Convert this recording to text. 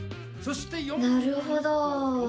なるほど！